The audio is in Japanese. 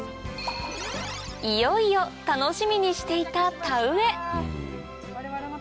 いよいよ楽しみにしていた田植え